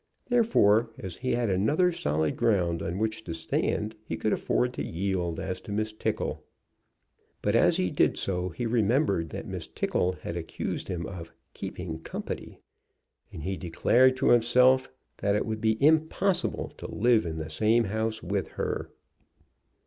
Therefore, as he had another solid ground on which to stand, he could afford to yield as to Miss Tickle. But as he did so, he remembered that Miss Tickle had accused him of "keeping company," and he declared to himself that it would be impossible to live in the same house with her.